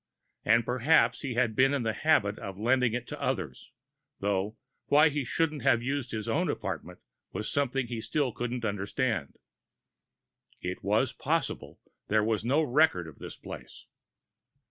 And perhaps he had been in the habit of lending it to others. Though why he shouldn't have used his own apartment was something he still couldn't understand. But it was possible there was no record of this place.